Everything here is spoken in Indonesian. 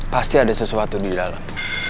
pasti ada sesuatu di dalam